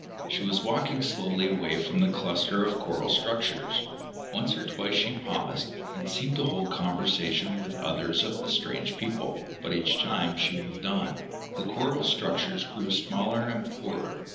She was walking slowly away from the cluster of coral structures. Once or twice she paused, and seemed to hold conversation with others of the strange people, but each time she moved on. The coral structures grew smaller and poorer.